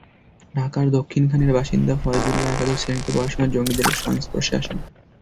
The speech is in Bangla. ঢাকার দক্ষিণখানের বাসিন্দা ফয়জুল্লাহ একাদশ শ্রেণিতে পড়ার সময় জঙ্গিদের সংস্পর্শে আসেন।